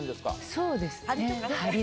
そうですね。